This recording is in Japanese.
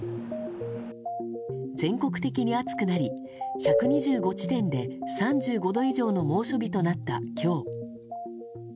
全国的に暑くなり１２５地点で３５度以上の猛暑日となった今日。